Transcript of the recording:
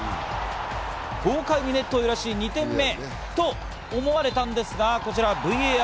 豪快にネットを揺らし２点目と思われたんですが、こちらＶＡＲ。